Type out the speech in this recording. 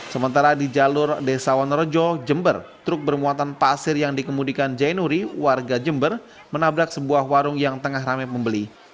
sementara di jalur desa wonorejo jember truk bermuatan pasir yang dikemudikan jainuri warga jember menabrak sebuah warung yang tengah rame pembeli